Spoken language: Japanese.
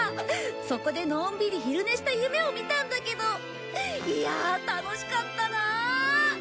そこでのんびり昼寝した夢を見たんだけどいや楽しかったな！